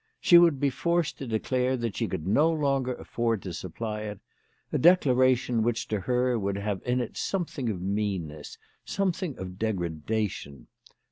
She would be forced to declare that she could no longer afford to supply it, a declaration which to her would have in it something of meanness, something of degra dation.